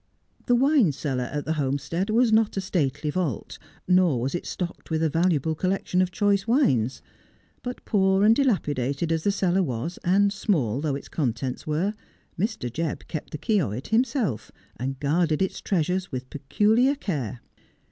The wine cellar at the Homestead was not a stately vault, nor was it stocked with a valuable collection of choice wines ; but poor and dilapidated as the cellar was, and small though its contents were, Mr. Jebb kept the key of it himself, and guarded The Man called Tinker. 241 its treasures with peculiar care.